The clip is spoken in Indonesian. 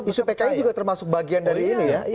isu pki juga termasuk bagian dari ini ya